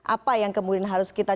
apa yang kemudian harus kita